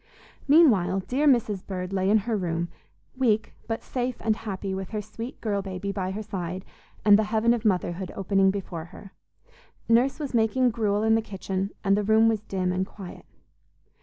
Meanwhile dear Mrs. Bird lay in her room, weak, but safe and happy with her sweet girl baby by her side and the heaven of motherhood opening before her. Nurse was making gruel in the kitchen, and the room was dim and quiet.